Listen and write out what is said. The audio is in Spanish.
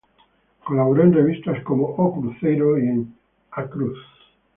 Colaboró en revistas como "O Cruzeiro" y en "A Cruz".